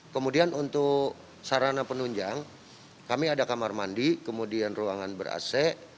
kemudian untuk sarana penunjang kami ada kamar mandi kemudian ruangan ber ac